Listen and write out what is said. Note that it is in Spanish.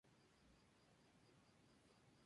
El sencillo incluye tres reproducciones extendidas.